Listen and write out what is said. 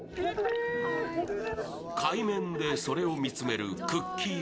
海面でそれを見つめるくっきー！